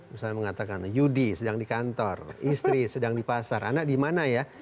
misalnya mengatakan yudi sedang di kantor istri sedang di pasar anak di mana ya